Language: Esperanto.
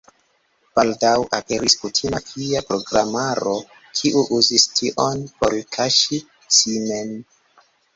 Baldaŭ aperis kutima fia programaro, kiu uzis tion por kaŝi sin mem.